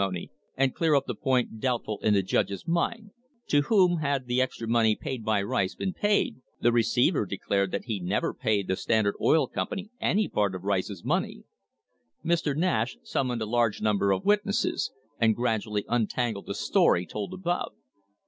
THE HISTORY OF THE STANDARD OIL COMPANY and clear up the point doubtful in the judge's mind to whom had the extra money paid by Rice been paid; the receiver declared that he never paid the Standard Oil Company any part of Rice's money. Mr. Nash summoned a large number of witnesses and gradually untangled the story told above.